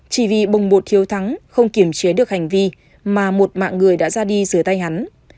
chỉ vì bùng bột thiếu thắng không kiểm chế được hành vi mà một mạng người đã ra đi dưới tay hắn